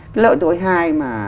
cái loại thứ hai mà